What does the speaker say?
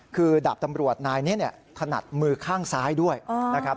คือดาบตำรวจนายนี้ถนัดมือข้างซ้ายด้วยนะครับ